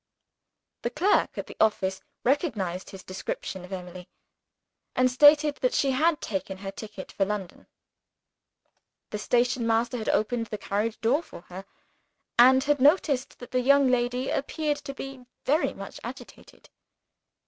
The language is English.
The clerk at the office recognized his description of Emily, and stated that she had taken her ticket for London. The station master had opened the carriage door for her, and had noticed that the young lady appeared to be very much agitated.